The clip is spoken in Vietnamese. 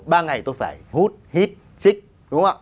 ba ngày tôi phải hút hít chích